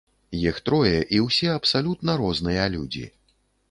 Іх трое, і ўсе абсалютна розныя людзі.